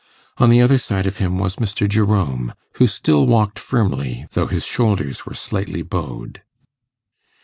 On the other side of him was Mr. Jerome, who still walked firmly, though his shoulders were slightly bowed.